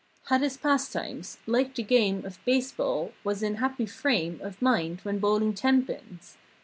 Had his pastimes. Liked the game Of base ball. Was in happy frame Of mind when bowling ten pins.